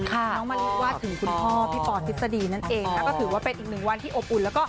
น้องมะลิว่าถึงคุณพ่อพี่ปอทฤษฎีนั่นเองนะคะก็ถือว่าเป็นอีกหนึ่งวันที่อบอุ่นแล้วก็